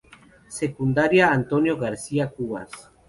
Secundaria Antonio Garcia Cubas.